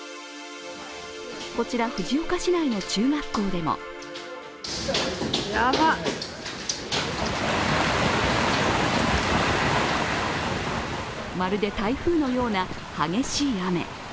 こちら藤岡市内の中学校でもまるで台風のような激しい雨。